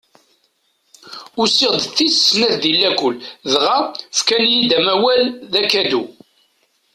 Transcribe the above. Usiɣ-d d tis snat di lakul dɣa fkan-iyi-d amawal d akadu.